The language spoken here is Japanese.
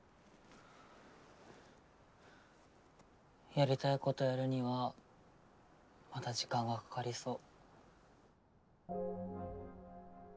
やりたいことやるにはまだ時間がかかりそう。